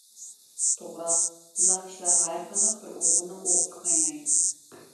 توغرا، بۇنداق ئىشلارغا ھەرقانداق بىر ئۇيغۇرنىڭ ئوغىسى قاينايدۇ.